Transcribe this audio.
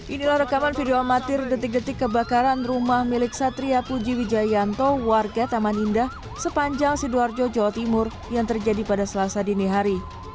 inilah rekaman video amatir detik detik kebakaran rumah milik satria puji wijayanto warga taman indah sepanjang sidoarjo jawa timur yang terjadi pada selasa dini hari